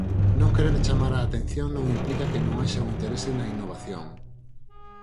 Non querer chamar a atención non implica que non haxa un interese na innovación.